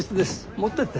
持ってって。